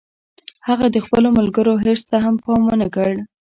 هغه د خپلو ملګرو حرص ته هم پام و نه کړ